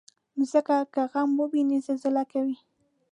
مځکه که غم وویني، زلزله کوي.